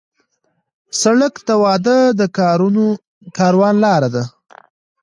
سړک د واده د کاروان لار ده.